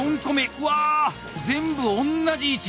うわ全部おんなじ位置！